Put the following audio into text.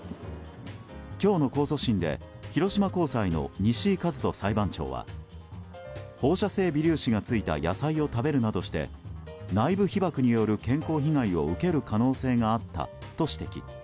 今日の控訴審で広島高裁の西井和徒裁判長は放射性微粒子がついた野菜を食べるなどして内部被ばくによる健康被害を受ける可能性があったと指摘。